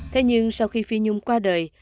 thế nhưng sau khi phi nhung qua đời